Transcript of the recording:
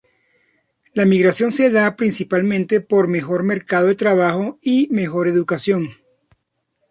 La migración se da principalmente por mejor mercado de trabajo y mejor educación.